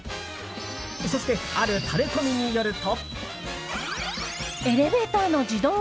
そして、あるタレコミによると。